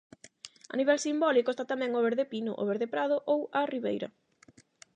A nivel simbólico está tamén o verde pino, o verde prado ou a ribeira.